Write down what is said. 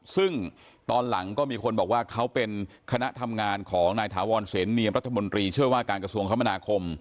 ซึ่งตอนหลังก็มีคนบอกว่าเขาเป็นคณะทำงานของนายถาวรเสนเนียมรัฐมนตรีช่วยว่าการกระทรวงคมนาคม